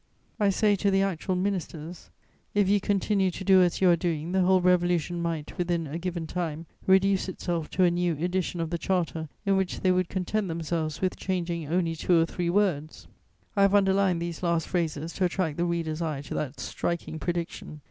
"I say to the actual ministers: "'If you continue to do as you are doing, the whole revolution might, within a given time, reduce itself to a new edition of the Charter in which they would content themselves with changing only two or three words." I have underlined these last phrases to attract the reader's eyes to that striking prediction.